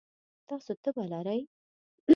تاسو تبه لرئ؟